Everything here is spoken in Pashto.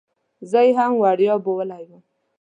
زه یې هم وړیا بیولې وم.